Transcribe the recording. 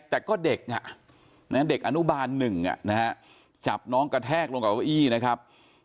แต่ก็เด็กอ่ะเด็กอนุบาลหนึ่งนะฮะจับน้องกระแทกลงกับอี้นะครับ